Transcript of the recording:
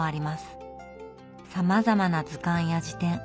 さまざまな図鑑や事典。